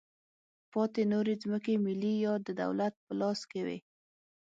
پاتې نورې ځمکې ملي یا د دولت په لاس کې وې.